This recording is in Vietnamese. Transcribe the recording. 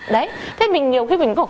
đấy thế mình nhiều khi mình cũng